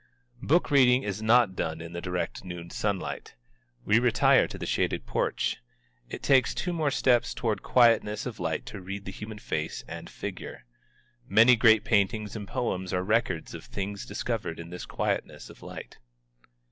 Book reading is not done in the direct noon sunlight. We retire to the shaded porch. It takes two more steps toward quietness of light to read the human face and figure. Many great paintings and poems are records of things discovered in this quietness of light.